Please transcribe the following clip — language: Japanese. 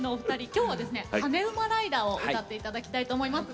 今日はですね「ハネウマライダー」を歌って頂きたいと思います。